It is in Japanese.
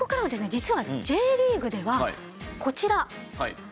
実はＪリーグではこちら。